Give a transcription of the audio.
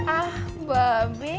ah mbak be